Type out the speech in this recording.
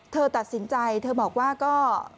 เธอตัดสินใจเธอบอกว่าก็